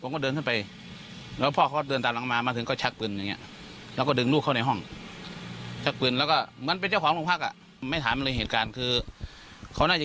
ความน่าจะคิดว่าลูกเขาโดนทำลายกันขึ้นข้างที